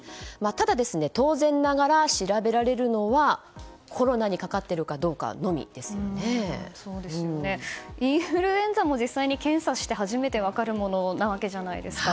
ただ、当然ながら調べられるのはコロナにかかっているかインフルエンザも実際に検査して初めて分かるものなわけじゃないですか。